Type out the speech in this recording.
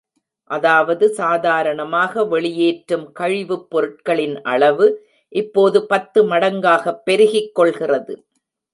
அதாவது, சாதாரணமாக வெளியேற்றும் கழிவுப் பொருட்களின் அளவு, இப்போது பத்து மடங்காகப் பெருகி கொள்கிறது.